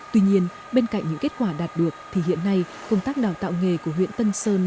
tuy nhiên bên cạnh những kết quả đạt được thì hiện nay công tác đào tạo nghề của huyện tân sơn